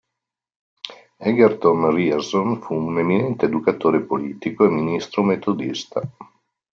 Egerton Ryerson fu un eminente educatore, politico e ministro metodista.